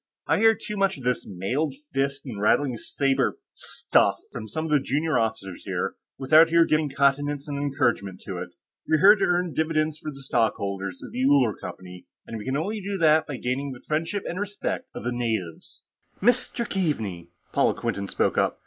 "I hear too much of this mailed fist and rattling saber stuff from some of the junior officers here, without your giving countenance and encouragement to it. We're here to earn dividends for the stockholders of the Uller Company, and we can only do that by gaining the friendship, respect and confidence of the natives...." "Mr. Keaveney," Paula Quinton spoke up.